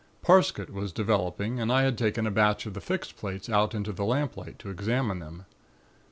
Parsket was developing and I had taken a batch of the fixed plates out into the lamplight to examine them.